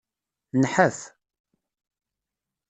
Nḥaf.